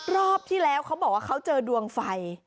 รอบที่แล้วเขาบอกว่าเขาเจอดวงไฟ